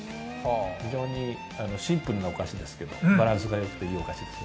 非常にシンプルなお菓子ですけれどもバランスがよくて、いいお菓子です